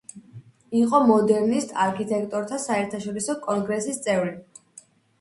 იყო მოდერნისტ არქიტექტორთა საერთაშორისო კონგრესის წევრი.